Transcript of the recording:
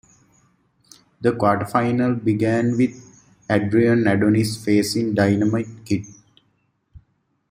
The quarterfinals began with Adrian Adonis facing Dynamite Kid.